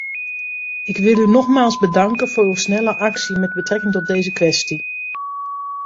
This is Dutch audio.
Ik wil u nogmaals bedanken voor uw snelle actie met betrekking tot deze kwestie.